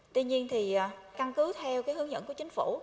tuy nhiên thì căn cứ theo cái hướng dẫn của chính phủ